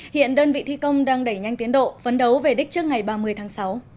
hiện đơn vị thi công đang đẩy nhanh tiến độ phấn đấu về đích trước ngày ba mươi tháng sáu